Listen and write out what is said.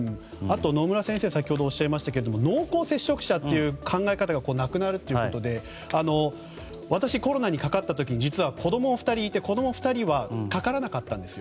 野村先生が先ほどおっしゃった濃厚接触者という考え方がなくなるということで私、コロナにかかった時に実は子供２人いて、子供２人はかからなかったんですよ。